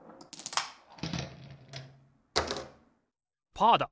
パーだ！